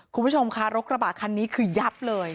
คุณผู้ชมค่ะรถกระบะคันนี้คือยับเลย